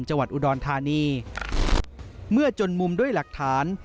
จังหวัดอุดรธานีเมื่อจนมุมด้วยหลักฐาน